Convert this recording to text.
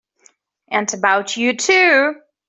And about you too!